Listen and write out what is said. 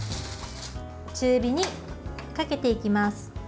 中火にかけていきます。